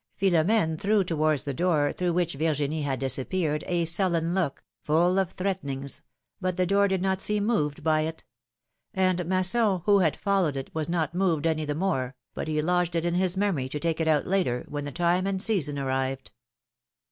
Philomene threw towards the door, through which Virginie had disappeared, a sullen look, full of thieaten ings, but the door did not seem moved by it; and Masson, who had followed it, was not moved any the more, but he lodged it in his memory, to take it out later — when the time and season arrived.